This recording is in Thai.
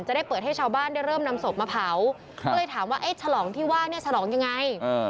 จะได้เปิดให้ชาวบ้านได้เริ่มนำศพมาเผาก็เลยถามว่าไอ้ฉลองที่ว่าเนี่ยฉลองยังไง